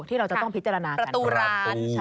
ที่เราจะต้องพิจารณากัน